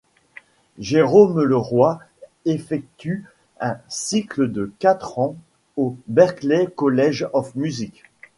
Jérôme Leroy effectue un cycle de quatre ans au Berklee College of Music.